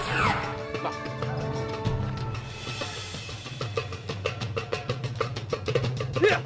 aduh takut banget ini